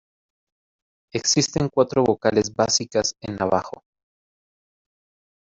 Existen cuatro vocales básicas en navajo.